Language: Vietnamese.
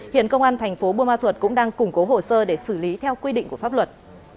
hiện công an tp buôn ma thuật cũng đang củng cố hồ sơ để xử lý theo quy định của pháp luật